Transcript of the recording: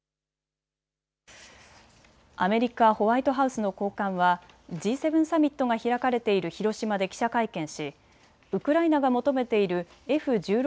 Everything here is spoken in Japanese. アメリカ・ホワイトハウスの高官はＧ７サミットが開かれている広島で記者会見しウクライナが求めているＦ１６